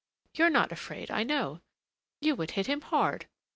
You're not afraid, I know. You would hit him hard!"